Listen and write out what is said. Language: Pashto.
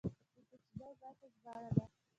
د کوچنۍ برخې ژباړه ده.